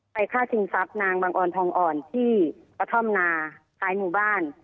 ฆ่าชิงทรัพย์นางบังออนทองอ่อนที่กระท่อมนาท้ายหมู่บ้าน